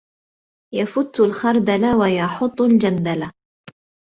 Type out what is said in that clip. يَفُتُّ الْخَرْدَلَ وَيَحُطُّ الْجَنْدَلَ